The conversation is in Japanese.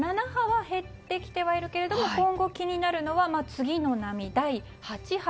７波は減ってきているけど今後、気になるのは次の波。